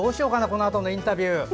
このあとのインタビュー。